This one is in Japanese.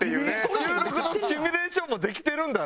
収録のシミュレーションもできてるんだな。